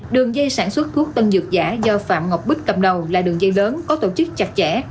đường dây sản xuất thuốc tân dược giả do phạm ngọc bích cầm đầu là đường dây lớn có tổ chức chặt chẽ